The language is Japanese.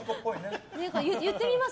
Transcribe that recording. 言ってみます？